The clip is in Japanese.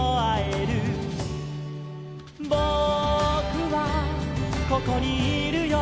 「ぼくはここにいるよ」